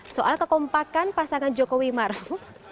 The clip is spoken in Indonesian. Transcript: soal kekompakan pasangan jokowi maruf